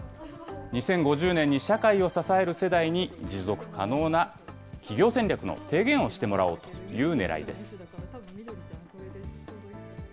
２０５０年に社会を支える世代に、持続可能な企業戦略の提言をしてもらおうというねらいです。